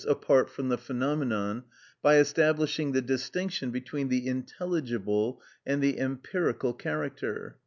_, apart from the phenomenon,(69) by establishing the distinction between the intelligible and the empirical character.